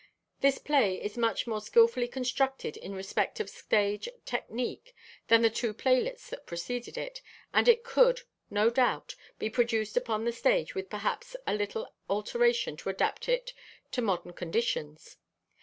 This play is much more skillfully constructed in respect of stage technique than the two playlets that preceded it, and it could, no doubt, be produced upon the stage with perhaps a little alteration to adapt it to modern conditions.